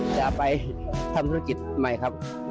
จะไปทำธุรกิจใหม่ครับ